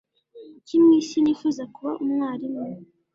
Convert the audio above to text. Kuki mwisi nifuza kuba umwarimu?